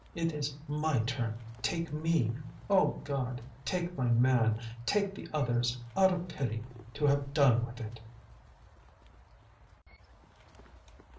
it is my turn, take me! O God! take my man, take the others, out of pity, to have done with it!"